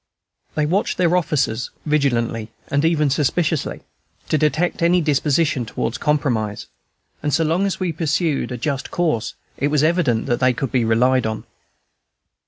They watched their officers vigilantly and even suspiciously, to detect any disposition towards compromise; and so long as we pursued a just course it was evident that they could be relied on.